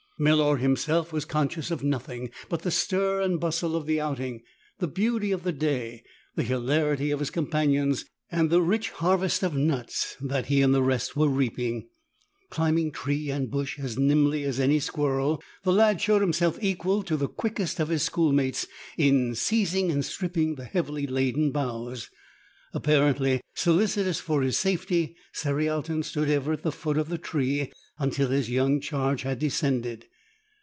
Melor himself was conscious of nothing but the stir and bustle of the outing, the beauty of the day, the hilarity of his companions, and the rich harvest of nuts that he and the rest were reaping. Climbing tree and bush as nimbly as any squirrel, the lad showed himself equal to the quickest of his schoolmates in seizing and stripping the heavily laden boughs. Apparently solicitous for his safety, Cerial ton stood ever at the foot of the tree until his young charge had descended.